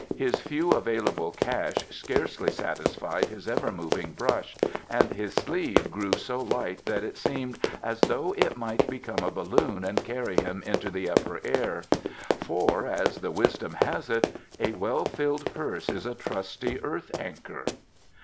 His few available cash scarcely satisfied his ever moving brush, and his sleeve grew so light that it seemed as though it might become a balloon and carry him into the Upper Air; for, as the Wisdom has it, "A well filled purse is a trusty earth anchor."